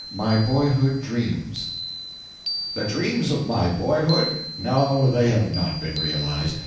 MY BOYHOOD DREAMS The dreams of my boyhood? No, they have not been realised.